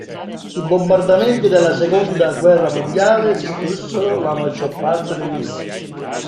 I bombardamenti della seconda guerra mondiale distrussero la maggior parte degli edifici.